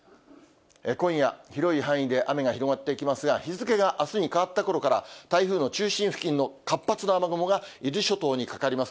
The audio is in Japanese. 今夜、広い範囲で雨が広がっていきますが、日付があすに変わったころから、台風の中心付近の活発な雨雲が伊豆諸島にかかります。